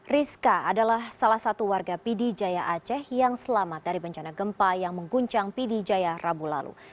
rizka adalah salah satu warga pidijaya aceh yang selamat dari bencana gempa yang mengguncang pidijaya rabu lalu